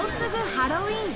ハロウィーン！